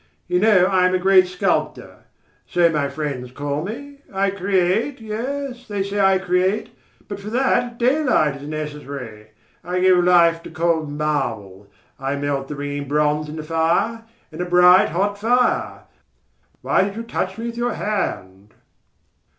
You know I am a great sculptor... so my friends call me. I create, yes, they say I create, but for that daylight is necessary. I give life to cold marble. I melt the ringing bronze in the fire, in a bright, hot fire. Why did you touch me with your hand?"